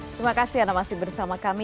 terima kasih anda masih bersama kami